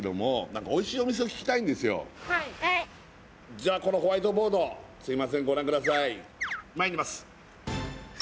じゃあこのホワイトボードすいませんご覧ください